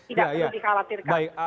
tidak perlu dikhawatirkan